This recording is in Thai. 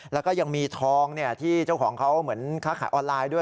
แล้วก็ยังมีทองที่เจ้าของเขาเหมือนค้าขายออนไลน์ด้วย